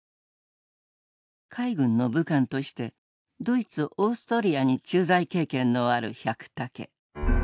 海軍の武官としてドイツオーストリアに駐在経験のある百武。